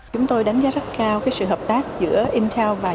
chúng tôi đánh giá rất cao sự hợp tác giữa intel và tp hcm